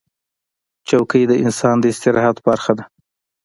چوکۍ د انسان د استراحت برخه ده.